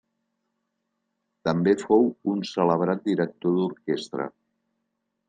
També fou un celebrat director d'orquestra.